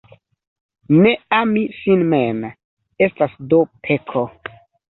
Ne ami sin mem, estas do peko.